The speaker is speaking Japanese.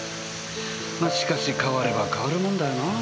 ましかし変われば変わるもんだよなぁ。